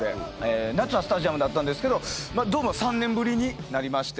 夏はスタジアムだったんですけどドームは３年ぶりになりまして。